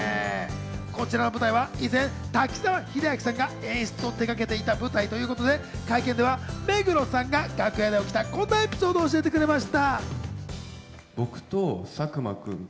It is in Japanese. こちらの舞台は以前、滝沢秀明さんが演出を手がけていた舞台ということで、会見では、目黒さんが楽屋で起きたこんなエピソードを教えてくれました。